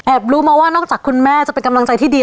รู้มาว่านอกจากคุณแม่จะเป็นกำลังใจที่ดี